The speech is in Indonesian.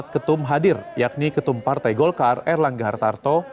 empat ketum hadir yakni ketum partai golkar erlang gahartarto